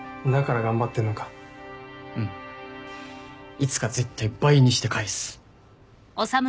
いつか絶対倍にして返す。